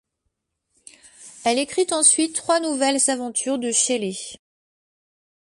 Elle écrit ensuite trois nouvelles aventures de Shelley.